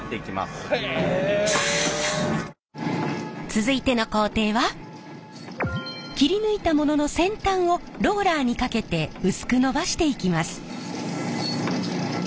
続いての工程は切り抜いたものの先端をローラーにかけて薄くのばしていきます。